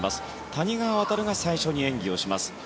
谷川航が最初に演技をします。